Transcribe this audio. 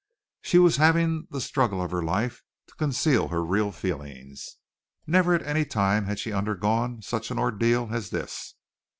She was having the struggle of her life to conceal her real feelings. Never at any time had she undergone such an ordeal as this.